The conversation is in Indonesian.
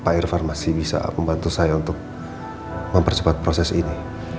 pak irfan masih bisa membantu saya untuk mempercepat proses ini